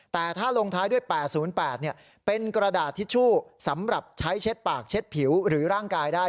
แต่ถ้าลงท้ายด้วย๘๐๘เป็นกระดาษทิชชู่สำหรับใช้เช็ดปากเช็ดผิวหรือร่างกายได้